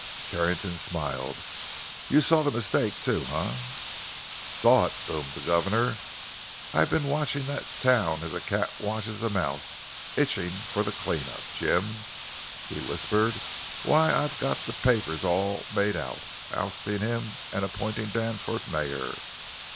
Carrington smiled. "You saw the mistake, too, eh?" "Saw it!" boomed the governor. "I've been watching that town as a cat watches a mouse. Itching for the clean up, Jim," he whispered. "Why, I've got the papers all made out—ousting him and appointing Danforth mayor.